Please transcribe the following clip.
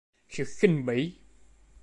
sự khinh bỉ